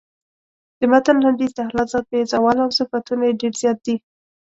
د متن لنډیز د الله ذات بې زواله او صفتونه یې ډېر زیات دي.